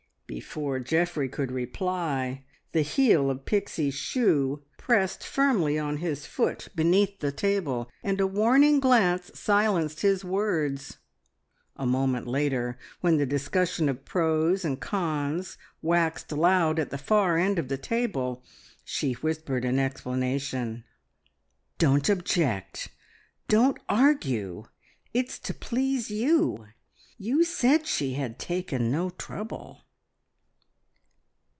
Before Geoffrey could reply the heel of Pixie's shoe pressed firmly on his foot beneath the table, and a warning glance silenced his words. A moment later, when the discussion of pros and cons waxed loud at the far end of the table, she whispered an explanation "Don't object, don't argue. It's to please you! You said she had taken no trouble."